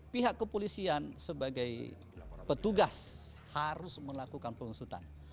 pihak kepolisian sebagai petugas harus melakukan pengusutan